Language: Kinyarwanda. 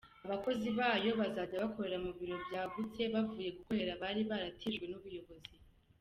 Abakozi bayo bazajya bakorera mu biro byagutse, bavuye gukorera bari baratijwe n’ubuyobozi.